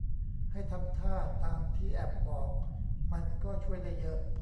ให้ทำท่าตามที่แอปบอก มันก็ช่วยได้เยอะ